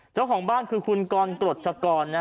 เจ้าของบ้านคือคุณกรกรดชกร